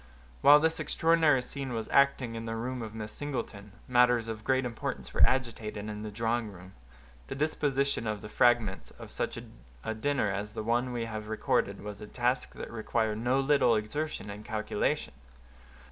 While this extraordinary scene was acting in the room of Miss Singleton, matters of great importance were agitated in the drawing room. The disposition of the fragments of such a dinner as the one we have recorded was a task that required no little exertion and calculation.